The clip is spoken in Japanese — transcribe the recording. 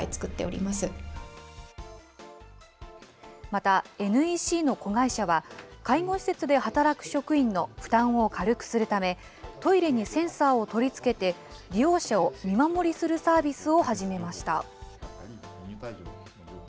また、ＮＥＣの子会社は、介護施設で働く職員の負担を軽くするため、トイレにセンサーを取り付けて、利用者を見守りするサービスを始めました。